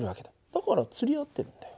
だから釣り合ってるんだよ。